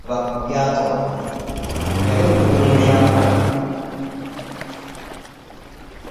Yali mukugu mu by'akola.